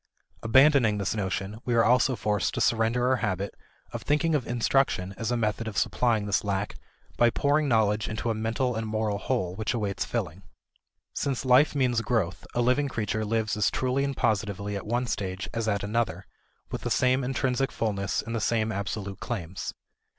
Abandoning this notion, we are also forced to surrender our habit of thinking of instruction as a method of supplying this lack by pouring knowledge into a mental and moral hole which awaits filling. Since life means growth, a living creature lives as truly and positively at one stage as at another, with the same intrinsic fullness and the same absolute claims.